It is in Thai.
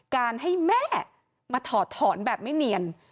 การให้แม่มาถอดถอนแบบไม่เนียน